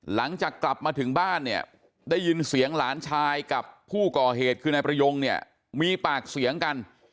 หลังจากกลับมาถึงบ้านเนี่ยได้ยินเสียงหลานชายกับผู้ก่อเหตุคือนายประยงเนี่ยมีปากเสียงกัน